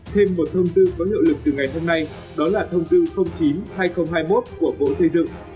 thêm một thông tư có hiệu lực từ ngày hôm nay đó là thông tư chín hai nghìn hai mươi một của bộ xây dựng